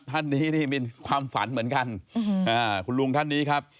ท่านนี้นี่มีความฝันเหมือนกันคุณลุงท่านนี้ครับ